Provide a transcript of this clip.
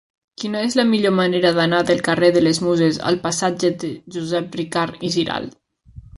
Quina és la millor manera d'anar del carrer de les Muses al passatge de Josep Ricart i Giralt?